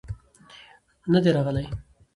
نه دى راغلى.